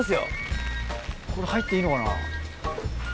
入っていいのかな？